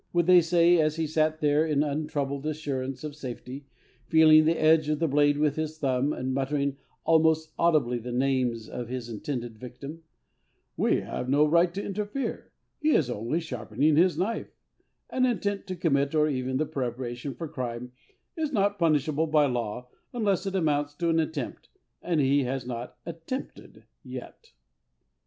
Would they say as he sat there in untroubled assurance of safety, feeling the edge of the blade with his thumb, and muttering almost audibly the name of his intended victim, "We have no right to interfere, he is only sharpening his knife; an intent to commit, or even the preparation for crime, is not punishable by law, unless it amounts to an attempt, and he has not 'attempted' yet."